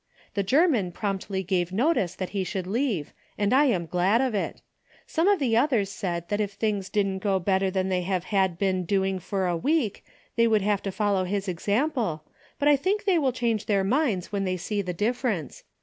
The German promptly gave notice that he should leave, and I am glad of it. Some of the others said that if things didn't go bet ter than they had been doing for a week they would have to follow his example, but I think they will change their minds when they SQe the difference.